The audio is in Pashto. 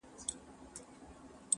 ستا د هجران په تبه پروت یم مړ به سمه!!